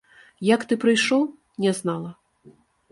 Як ты прыйшоў, не знала.